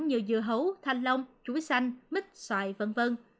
như dừa hấu thanh lông chuối xanh mít xoài v v